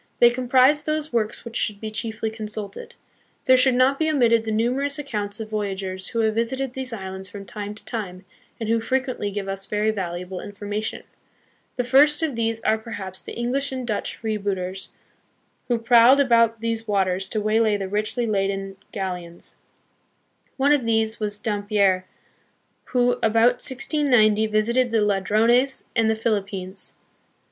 They comprise those works which should be chiefly consulted. There should not be omitted the numerous accounts of voyagers who have visited these islands from time to time, and who frequently give us very valuable information. The first of these are perhaps the English and Dutch freebooters, who prowled about these waters to waylay the richly laden galleons. One of these was Dampier, who, about 1690, visited the Ladrones and the Philippines.